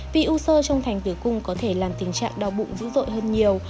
vì u sơ trong thành tử cung có thể làm tình trạng đau bụng dữ dội hơn nhiều